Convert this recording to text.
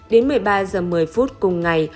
đến một mươi ba h một mươi phút cùng ngày